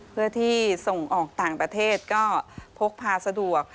เพื่อที่ส่งออกต่างประเทศก็พกพาสะดวก